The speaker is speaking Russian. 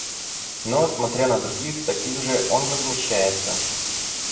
Но, смотря на других, таких же, он возмущается.